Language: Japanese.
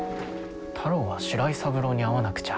太郎は白井三郎に会わなくちゃ。